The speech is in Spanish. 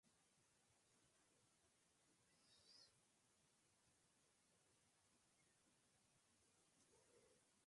El fruto es un aquenio piriforme o elongado, conteniendo una docena de semillas ovoides.